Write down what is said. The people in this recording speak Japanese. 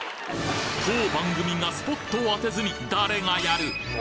当番組がスポットを当てずに誰がやる！？